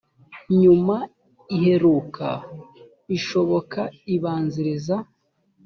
nyuma iheruka ishoboka ibanziriza